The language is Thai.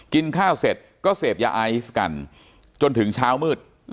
กินข้าวเสร็จก็เสพยาไอซ์กันจนถึงเช้ามืด